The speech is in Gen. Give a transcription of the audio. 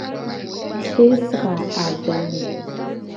Esra adome.